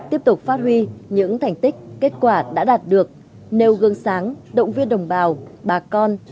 tiếp tục phát huy những thành tích kết quả đã đạt được nêu gương sáng động viên đồng bào bà con